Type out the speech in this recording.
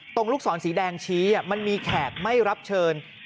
ลูกศรสีแดงชี้มันมีแขกไม่รับเชิญ